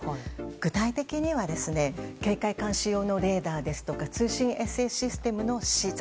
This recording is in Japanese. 具体的には警戒監視用のレーダーですとか通信衛星システムの資材